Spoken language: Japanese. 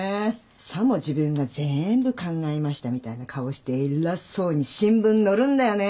さも自分が全部考えましたみたいな顔して偉そうに新聞載るんだよね。